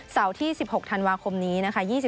เสาร์ที่๑๖ธันวาคมนี้นะคะ